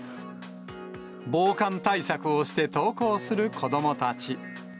防寒対策をして登校する子どもたち。